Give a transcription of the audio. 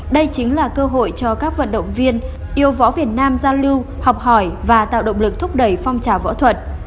đây chính là cơ hội cho các vận động viên yêu võ việt nam giao lưu học hỏi và tạo động lực thúc đẩy phong trào võ thuật